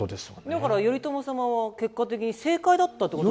だから頼朝様は結果的に正解だったってことに。